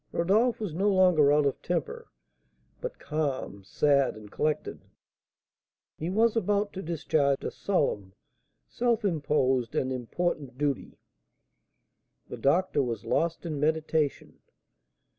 Rodolph was no longer out of temper, but calm, sad, and collected; he was about to discharge a solemn, self imposed, and important duty. The doctor was lost in meditation.